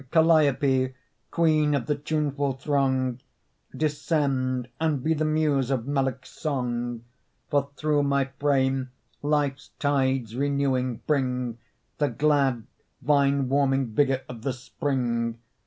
Calliope, queen of the tuneful throng, Descend and be the Muse of melic song; For through my frame life's tides renewing bring The glad vein warming vigor of the spring.